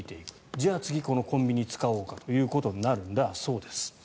じゃあ、次、このコンビニを使おうかということになるんだそうです。